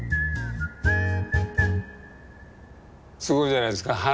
すごいじゃないですか。